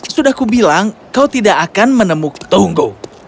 sudah kubilang kau tidak akan menemuk tunggu